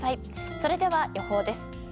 それでは、予報です。